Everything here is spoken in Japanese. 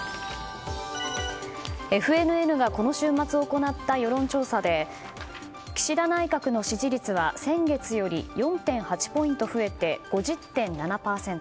ＦＮＮがこの週末行った世論調査で岸田内閣の支持率は先月より４．８ポイント増えて５０．７％。